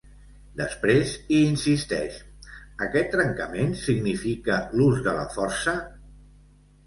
Després hi insisteix: ‘Aquest trencament significa l’ús de la força?’